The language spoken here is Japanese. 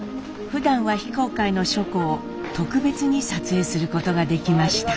ふだんは非公開の書庫を特別に撮影することができました。